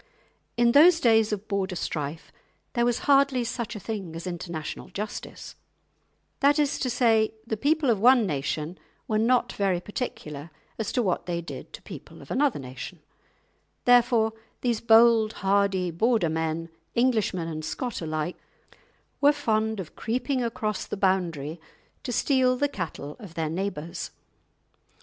In those days of Border strife there was hardly such a thing as international justice, that is to say, the people of one nation were not very particular as to what they did to people of another nation; therefore these bold, hardy Border men, Englishmen and Scot alike, were fond of creeping across the boundary to steal the cattle of their neighbours.